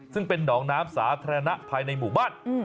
ซึ่งเป็นหนองน้ำสาธารณะภายในหมู่บ้าน